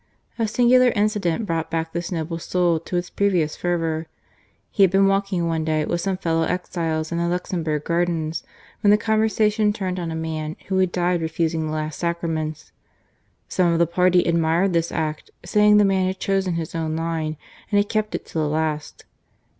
A singular incident brought back this noble soul to its previous fervour. He had been walking one day with some fellow exiles in the Luxembourg Gardens when the conver sation turned on a man who had died refusing the last Sacraments. Some of the party admired this act, saying the man had chosen his own line, and had kept it to the last.